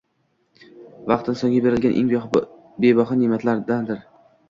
Vaqt insonga berilgan eng bebaho ne’matlardandir.